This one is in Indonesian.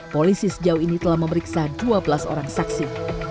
polisi sejauh ini telah memeriksa dua belas orang saksi